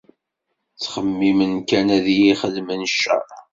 Ttxemmimen kan ad iyi-xedmen ccer.